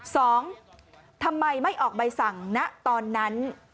สองทำไมไม่ออกใบสั่งณตอนนั้น